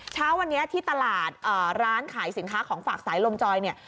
เช้าวันนี้ที่ตลาดร้านขายสินค้าของฝากสายลมจอยเนี่ย